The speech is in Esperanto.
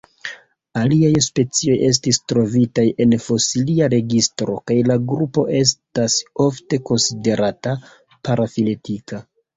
Aliaj specioj estis trovitaj en fosilia registro kaj la grupo estas ofte konsiderata parafiletika.